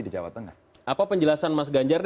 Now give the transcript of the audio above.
di jawa tengah apa penjelasan mas ganjar